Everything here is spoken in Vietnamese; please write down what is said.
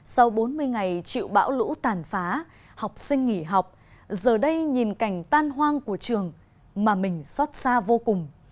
sau bốn mươi ngày chịu bão lũ tàn phá học sinh nghỉ học giờ đây nhìn cảnh tan hoang của trường mà mình xót xa vô cùng